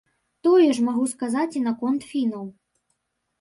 Тое ж магу сказаць і наконт фінаў.